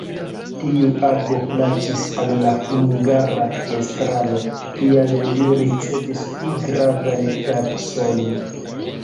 Tiu ago plaĉis al la hungara estraro, tial li ricevis pli gravajn taskojn.